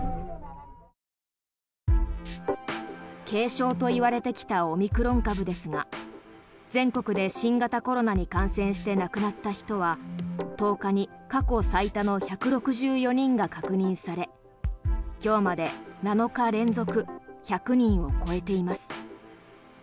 軽症といわれてきたオミクロン株ですが全国で新型コロナに感染して亡くなった人は１０日に過去最多の１６４人が確認され今日まで７日連続１００人を超えています。